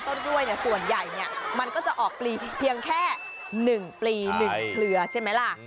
ต้นกล้วยเนี่ยส่วนใหญ่เนี่ยมันก็จะออกปลีเพียงแค่๑ปลี๑เครือใช่ไหมล่ะ